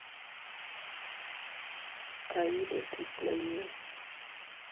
Ayudo tiich manyien